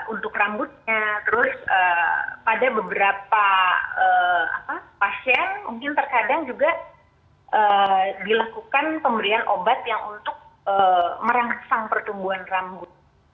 untuk rambutnya terus pada beberapa pasien mungkin terkadang juga dilakukan pemberian obat yang untuk merangsang pertumbuhan rambut